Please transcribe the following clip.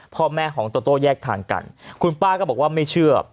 พ่อแม่ของโตโต้แยกทางกันคุณป้าก็บอกว่าไม่เชื่อ